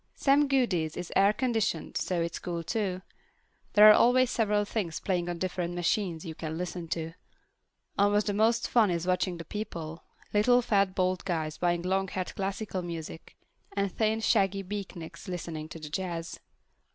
Sam Goody's is air conditioned, so it's cool too. There are always several things playing on different machines you can listen to. Almost the most fun is watching the people: little, fat, bald guys buying long haired classical music, and thin, shaggy beatniks listening to the jazz.